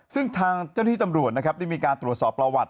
ซึ่งทางเจ้าหน้าที่ตำรวจนะครับได้มีการตรวจสอบประวัติ